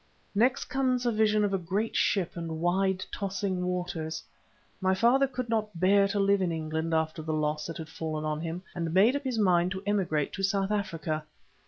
Next comes a vision of a great ship and wide tossing waters. My father could no longer bear to live in England after the loss that had fallen on him, and made up his mind to emigrate to South Africa.